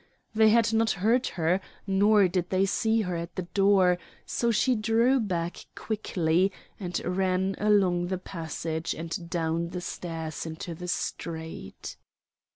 They had not heard her, nor did they see her at the door, so she drew back quickly and ran along the passage and down the stairs into the street.